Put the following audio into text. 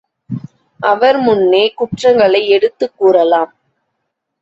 அவர் முன்னே குற்றங்களை எடுத்துக் கூறலாம்.